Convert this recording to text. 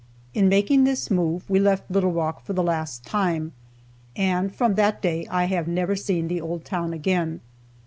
In making this move, we left Little Rock for the last time, and from that day I have never seen the old town again.